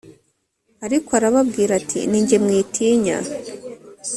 ariko arababwira ati ni jye mwitinya